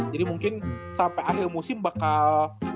jadi mungkin sampe akhir musim bakal